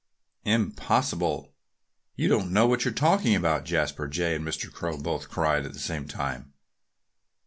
"Impossible! You don't know what you're talking about!" Jasper Jay and Mr. Crow both cried at the same time.